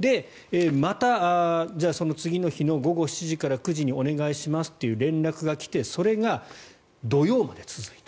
で、またその次の日の午後７時から９時にお願いしますという連絡が来てそれが土曜日まで続いた。